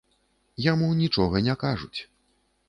Яму нічога не кажуць.